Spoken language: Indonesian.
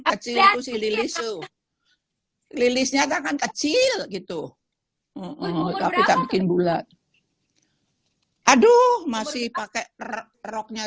kecil itu sih lili su lili nyata kan kecil gitu tapi tak bikin bulat hai aduh masih pakai roknya